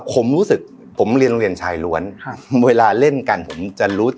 ผมรู้สึกผมเรียนโรงเรียนชายล้วนครับเวลาเล่นกันผมจะรู้